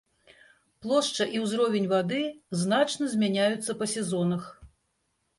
Плошча і ўзровень вады значна змяняюцца па сезонах.